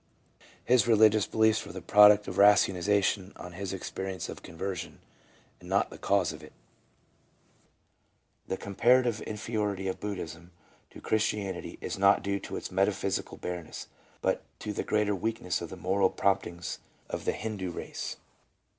His religious beliefs were the product of ratiocination on his experience of conversion, and not the cause of it. The comparative inferiority of Buddhism to Christianity is not due to its metaphysical bareness, but to the greater weakness of the moral promptings of the Hindoo race.